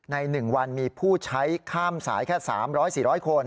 ใน๑วันมีผู้ใช้ข้ามสายแค่๓๐๐๔๐๐คน